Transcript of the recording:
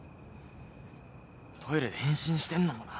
トイレで変身してんのもな。